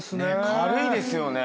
軽いですよね。